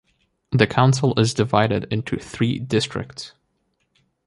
The council is divided into three districts.